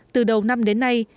từ đầu năm đến nay